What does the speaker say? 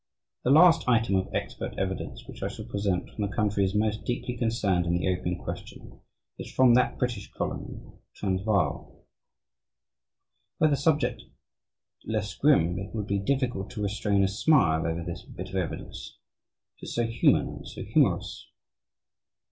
The last item of expert evidence which I shall present from the countries most deeply concerned in the opium question is from that British colony, the Transvaal. Were the subject less grim, it would be difficult to restrain a smile over this bit of evidence it is so human, and so humorous.